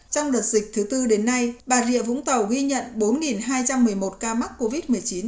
trong đợt dịch thứ tư đến nay bà rịa vũng tàu ghi nhận bốn hai trăm một mươi một ca mắc covid một mươi chín